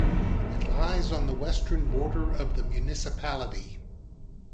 It lies on the western border of the municipality.